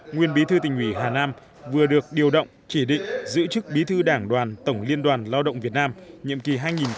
nguyên bí thư tỉnh ủy hà nam vừa được điều động chỉ định giữ chức bí thư đảng đoàn tổng liên đoàn lao động việt nam nhiệm kỳ hai nghìn một mươi tám hai nghìn hai mươi ba